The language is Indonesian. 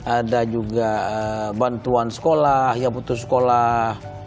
ada juga bantuan sekolah ya putus sekolah